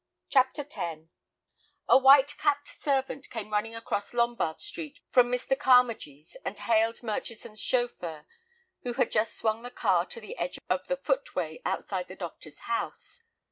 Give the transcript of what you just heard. CHAPTER X A white capped servant came running across Lombard Street from Mr. Carmagee's, and hailed Murchison's chauffeur, who had just swung the car to the edge of the footway outside the doctor's house.